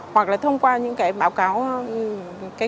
hoặc là thông qua những cái báo cáo